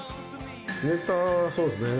ネタそうですね